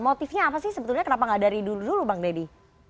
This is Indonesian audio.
motifnya apa sih sebetulnya kenapa nggak dari dulu bang deddy